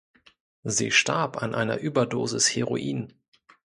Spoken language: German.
Sie starb an einer Überdosis Heroin.